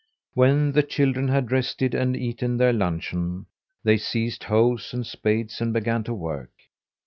When the children had rested and eaten their luncheon, they seized hoes and spades and began to work.